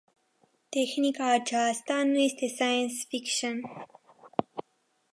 Tehnica aceasta nu este science fiction.